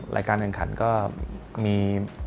รายการอย่างขนก็มี